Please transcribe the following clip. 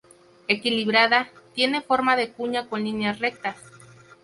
Equilibrada, tiene forma de cuña con líneas rectas.